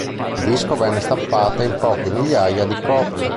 Il disco venne stampato in poche migliaia di copie.